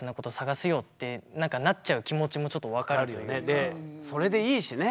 でそれでいいしね。